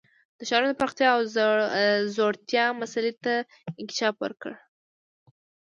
د ښارونو د پراختیا او ځوړتیا مسئلې ته انکشاف ورکړي.